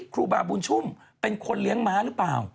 ครูบาบุญชุ่มเป็นคนเลี้ยงม้าหรือเปล่า